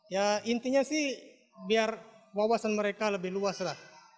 ya intinya sih biar wawasan mereka lebih luas lah